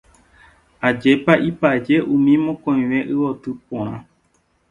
Ajépa ipaje umi mokõive yvoty porã